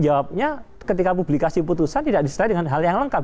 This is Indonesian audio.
jawabnya ketika publikasi putusan tidak disertai dengan hal yang lengkap